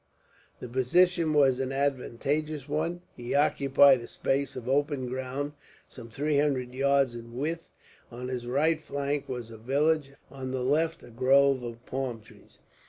The position was an advantageous one. He occupied a space of open ground, some three hundred yards in width. On his right flank was a village, on the left a grove of palm trees.